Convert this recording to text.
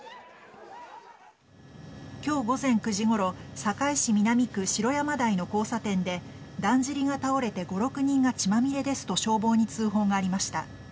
今日午前９時ごろ堺市南区城山台の交差点でだんじりが倒れて５６人が血まみれですと消防に通報がありました。